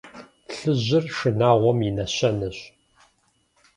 Плъыжьыр – шынагъуэм и нэщэнэщ.